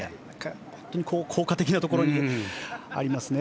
効果的なところにありますね。